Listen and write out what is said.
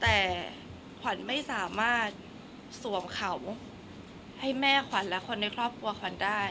แต่ขวัญไม่สามารถสวมเขาให้แม่ขวัญและคนในครอบครัวขวัญได้